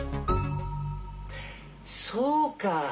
そうか。